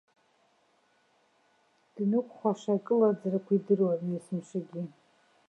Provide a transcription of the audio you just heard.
Днықәхәаша акылаӡрақәа идыруан уи есымшагьы.